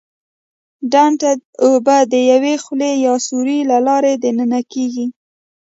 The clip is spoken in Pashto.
ډنډ ته اوبه د یوې خولې یا سوري له لارې دننه کېږي.